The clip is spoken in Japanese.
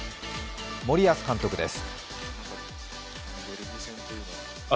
森保監督です。